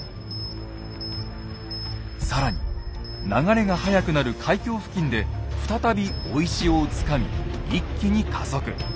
更に流れが速くなる海峡付近で再び追い潮をつかみ一気に加速。